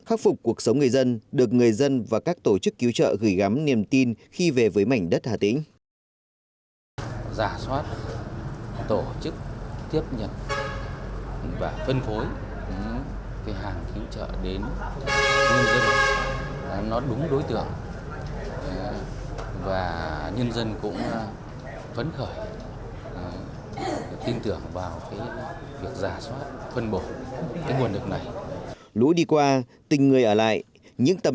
khắc phục cuộc sống người dân được người dân và các tổ chức cứu trợ gửi gắm niềm tin khi về với mảnh đất hà tĩnh